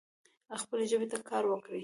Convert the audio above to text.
خپلي ژبي ته کار وکړئ.